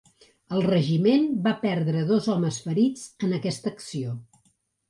El regiment va perdre dos homes ferits en aquesta acció.